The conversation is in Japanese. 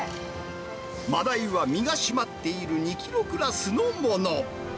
マダイは身が締まっている２キロクラスのもの。